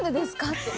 って。